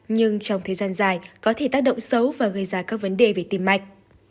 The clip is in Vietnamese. nhưng trong thời gian dài có thể tác động xấu và gây ra các vấn đề về tim mạch